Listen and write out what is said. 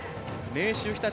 明秀日立